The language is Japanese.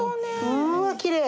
うわきれい。